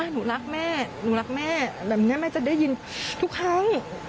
หนูรักแม่หนูรักแม่แบบนี้แม่จะได้ยินทุกครั้ง